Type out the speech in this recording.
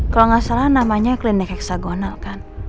kalau nggak salah namanya klinik heksagonal kan